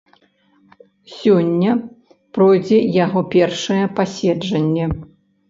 Сёння пройдзе яго першае паседжанне.